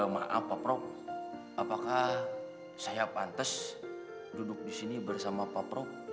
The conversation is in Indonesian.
maaf pak prok apakah saya pantes duduk disini bersama pak prok